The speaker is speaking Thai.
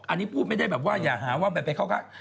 อันนี้พูดไม่ได้แบบว่าอย่าหาว่าแบบไปเข้าข้าง